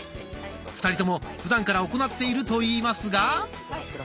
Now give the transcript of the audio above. ２人ともふだんから行っていると言いますが。